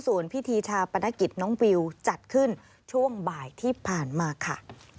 ส่วนพิธีชาปนกิจน้องวิวจัดขึ้นช่วงบ่ายที่ผ่านมาค่ะ